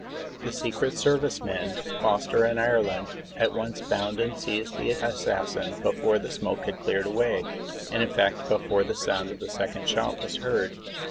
"The Secret Service men, Foster and Ireland, at one bound seized the assassin, before the smoke had cleared away, and, in fact, before the sound of the second shot was heard.